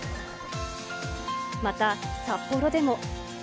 また、札幌でも。